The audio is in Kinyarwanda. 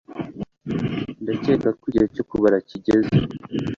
ndakeka ko igihe cyo kubara kigeze